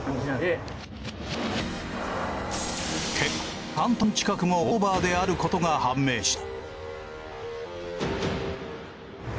結果３トン近くもオーバーであることが判明した。